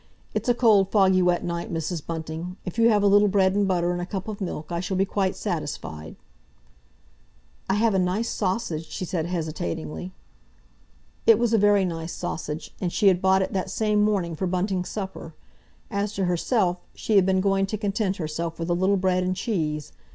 It's a cold, foggy, wet night, Mrs. Bunting. If you have a little bread and butter and a cup of milk I shall be quite satisfied." "I have a nice sausage," she said hesitatingly. It was a very nice sausage, and she had bought it that same morning for Bunting's supper; as to herself, she had been going to content herself with a little bread and cheese.